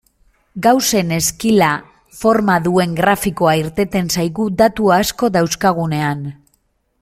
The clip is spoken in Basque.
Gaussen ezkila forma duen grafikoa irteten zaigu datu asko dauzkagunean.